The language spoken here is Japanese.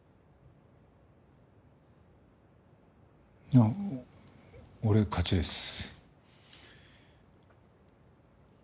いや俺が勝ちです。